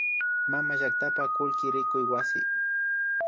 Mamallaktapa kullki rikuy wasi